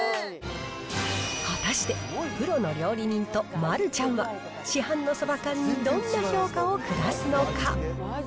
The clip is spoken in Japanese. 果たして、プロの料理人と丸ちゃんは市販のサバ缶にどんな評価を下すのか。